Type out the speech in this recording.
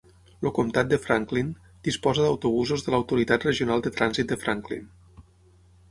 El comtat de Franklin disposa d'autobusos de l'Autoritat Regional de Trànsit de Franklin.